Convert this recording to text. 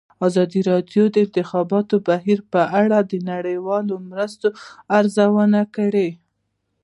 ازادي راډیو د د انتخاباتو بهیر په اړه د نړیوالو مرستو ارزونه کړې.